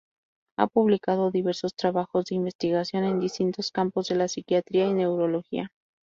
Ha publicado diversos trabajos de investigación en distintos campos de la psiquiatría y neurología.